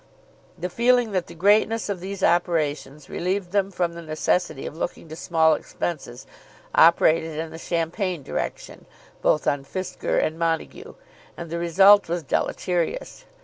The feeling that the greatness of these operations relieved them from the necessity of looking to small expenses operated in the champagne direction, both on Fisker and Montague, and the result was deleterious.